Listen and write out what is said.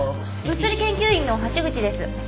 物理研究員の橋口です。